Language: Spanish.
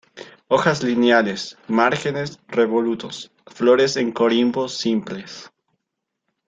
Hojas lineales; márgenes revolutos; flores en corimbos simples.